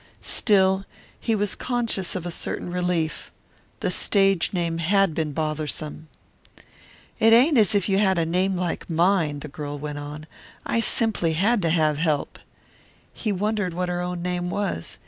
Still, he was conscious of a certain relief. The stage name had been bothersome. "It ain't as if you had a name like mine," the girl went on. "I simply had to have help." He wondered what her own name was.